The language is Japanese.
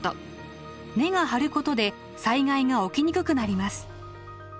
根が張ることで災害が起きにくくなります。